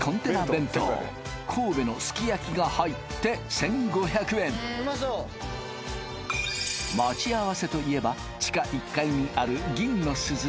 弁当神戸のすきやきが入って１５００円待ち合わせといえば地下１階にある銀の鈴